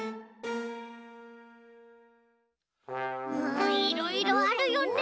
うわいろいろあるよね